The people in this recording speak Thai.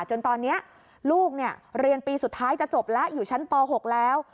จนตอนนี้ลูกเรียนปีสุดท้ายจะจบแล้วอยู่ชั้นป๖แล้ว